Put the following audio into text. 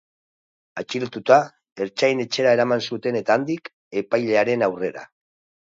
Atxilotuta, ertzain-etxera eraman zuten eta handik, epailearen aurrera.